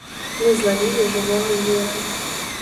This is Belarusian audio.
Мы злавілі жывога звера.